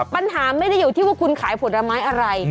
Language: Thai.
ปัญหาไม่ได้อยู่ที่ว่าคุณขายผลไม้อะไร